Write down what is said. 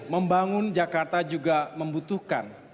membangun jakarta juga membutuhkan